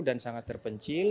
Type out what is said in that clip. dan sangat terpencil